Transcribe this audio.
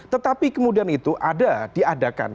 tetapi kemudian itu ada diadakan